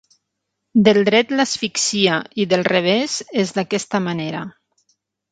Del dret l'asfixia i del revés és d'aquesta manera.